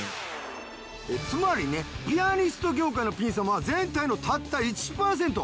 つまりねピアニスト業界のピン様は全体のたった１パーセント。